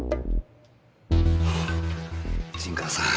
陣川さん